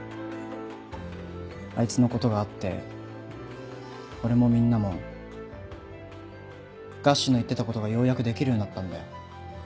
あいつのことがあって俺もみんなもガッシュの言ってたことがようやくできるようになったんだよ。